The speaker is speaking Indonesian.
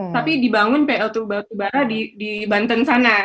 tapi dibangun pltu batu bara di banten sana